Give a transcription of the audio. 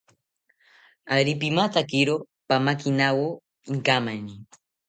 Ari pimatakiro pamakinawo inkamani